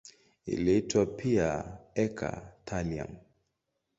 Iliitwa pia eka-thallium.